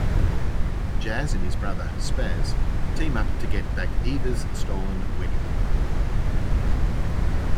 Jazz and his brother, Spaz, team up to get back Eva's stolen wedding ring.